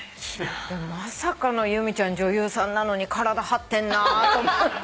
でもまさかの由美ちゃん女優さんなのに体張ってんなと思って。